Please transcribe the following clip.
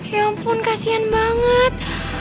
ya ampun kasian banget